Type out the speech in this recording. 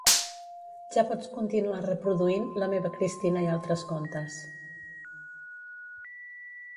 Ja pots continuar reproduint "La meva Cristina i altres contes".